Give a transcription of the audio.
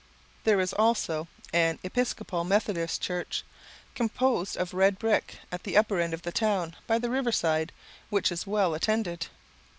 There is also an Episcopal Methodist church, composed of red brick, at the upper end of the town, by the river side, which is well attended.